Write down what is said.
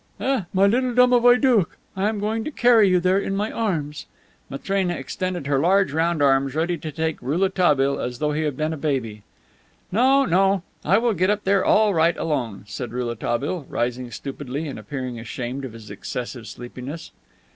"Eh, my little domovoi doukh, I am going to carry you there in my arms." Matrena extended her large round arms ready to take Rouletabille as though he had been a baby. "No, no. I will get up there all right alone," said Rouletabille, rising stupidly and appearing ashamed of his excessive sleepiness.